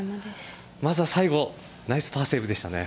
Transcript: まずは最後ナイスパーセーブでしたね。